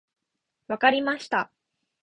分かりました。